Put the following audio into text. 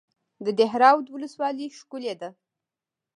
د دهراوود ولسوالۍ ښکلې ده